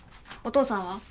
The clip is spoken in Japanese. お父さんは？